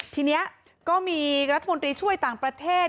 ทีนี้ก็มีรัฐมนตรีช่วยต่างประเทศ